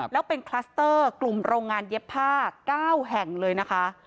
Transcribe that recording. แล้วเป็นคลัสเตอร์กลุ่มโรงงานเย็บผ้า๙แห่งเลยนะคะ